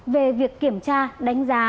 về việc kiểm tra đánh giá